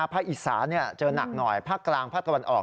อิสาเจอหนักหน่อยภาคกลางภาคตะวันออก